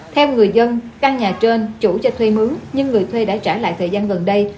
theo người dân căn nhà trên chủ cho thuê mướn nhưng người thuê đã trả lại thời gian gần đây